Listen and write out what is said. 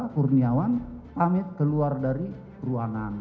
kurniawan pamit keluar dari ruangan